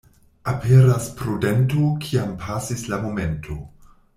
Aperas prudento, kiam pasis la momento.